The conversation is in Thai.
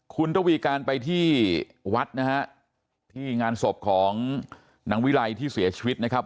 คุณระวีการไปที่วัดนะฮะที่งานศพของนางวิไลที่เสียชีวิตนะครับ